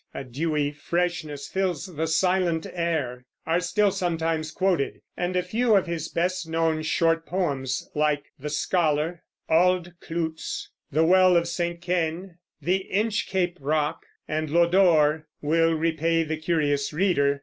A dewy freshness fills the silent air, are still sometimes quoted; and a few of his best known short poems, like "The Scholar," "Auld Cloots," "The Well of St. Keyne," "The Inchcape Rock," and "Lodore," will repay the curious reader.